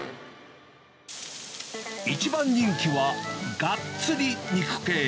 一番人気は、がっつり肉系。